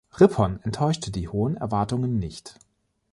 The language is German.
Rippon enttäuschte die hohen Erwartungen nicht.